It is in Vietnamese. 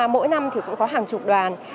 mỗi năm cũng có hàng chục đoàn